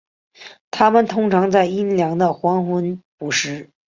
它们通常在清凉的黄昏捕食。